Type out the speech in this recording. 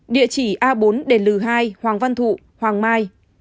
địa chỉ a bốn đền lừ hai hoàng văn thụ hoàng mai